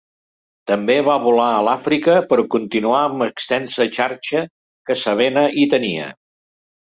També va volar a l'Àfrica per continuar amb l'extensa xarxa que Sabena hi tenia.